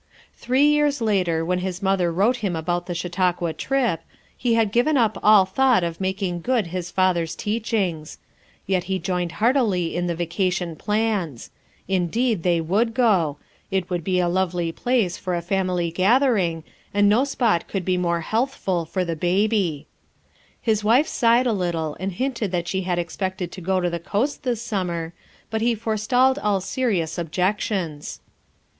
Three years later when his mother wrote him about the Chautauqua trip, he had given up all thought of making good his father's teachings; yet lie joined heartily in the vaca tion plans; indeed they would go; it would be a lovely place for a family gathering, and no spot could be more healthful for the baby. 34 FOUR MOTHERS AT CHAUTAUQUA His wife sighed a little and hinted that she had expected to go to the coast this summer, but he forestalled all serious objections.